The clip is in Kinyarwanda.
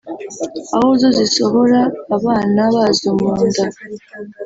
aho zo zisohora abana bazo mu nda